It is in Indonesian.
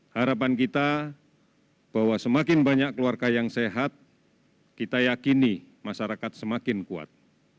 harapan kita bahwa semakin banyak keluarga yang sehat kita yakini masyarakat semakin kuat